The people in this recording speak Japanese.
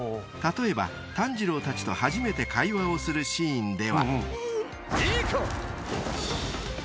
［例えば炭治郎たちと初めて会話をするシーンでは］